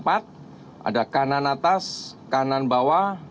ada kanan atas kanan bawah